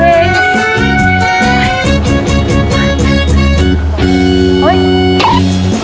เพลง